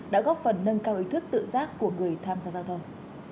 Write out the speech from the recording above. đã góp phần nâng cao ý thức tự giác của người tham gia giao thông